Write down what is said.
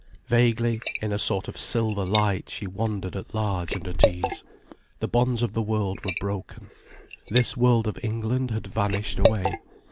Vaguely, in a sort of silver light, she wandered at large and at ease. The bonds of the world were broken. This world of England had vanished away.